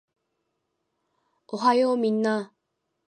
おはようみんなー